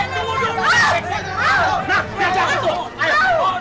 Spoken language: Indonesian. nah biar jangan ketuk